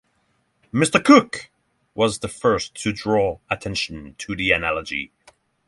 Mr. Cook was the first to draw attention to the analogy.